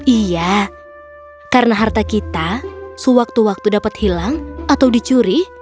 iya karena harta kita sewaktu waktu dapat hilang atau dicuri